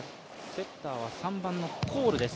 セッターは３番のコールです